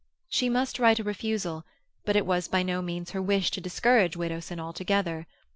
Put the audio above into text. She must write a refusal, but it was by no means her wish to discourage Widdowson altogether.